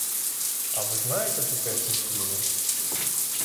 А ви знаєте тутешні ціни?